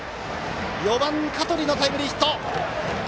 ４番、香取のタイムリーヒット。